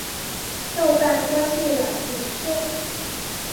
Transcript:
豆瓣关闭了影片的评分功能。